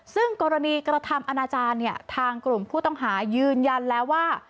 ซึ่งกรณีกระทำอนาจารย์เนี่ยทางกลุ่มผู้ต้องหายืนยันแล้วว่า